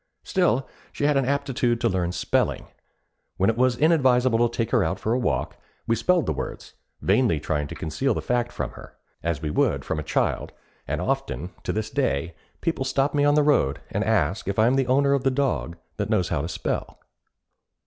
Still, she had an aptitude to learn spelling. When it was inadvisable to take her out for a walk, we spelled the words, vainly trying to conceal the fact from her, as we would from a child; and often, to this day, people stop me on the road, and ask if I am the owner of the dog that knows how to spell.